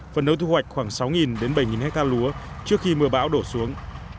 phần nấu thu hoạch khoảng sáu bảy ha lúa trước khi mưa bão đổ xuống